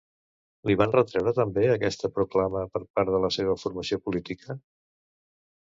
Li van retreure també aquesta proclama per part de la seva formació política?